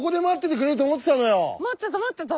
待ってた待ってた。